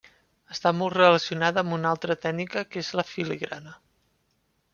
Està molt relacionada amb una altra tècnica que és la filigrana.